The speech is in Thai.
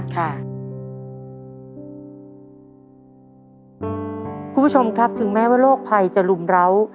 คุณผู้ชมครับถึงแม้ว่าโรคภัยจะรุมร้าว